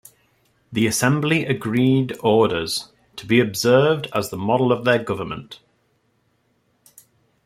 The Assembly agreed orders "to be observed as the model of their government".